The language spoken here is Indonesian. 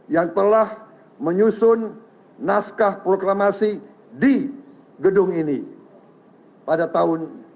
yang telah menyusun naskah proklamasi di gedung ini pada tahun seribu sembilan ratus empat puluh lima